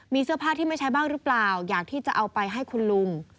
มีเสื้อผ้าที่ไม่ใช้บ้างหรือเปล่าอยากที่จะเอาไปให้คุณลุง